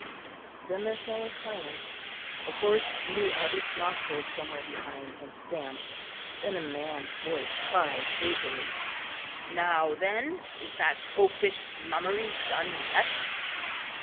_" Then there fell a silence. A horse blew out its nostrils somewhere behind and stamped; then a man's voice cried brutally: "Now then, is that popish mummery done yet?"